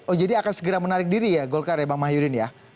oh jadi akan segera menarik diri ya golkar ya bang mahyudin ya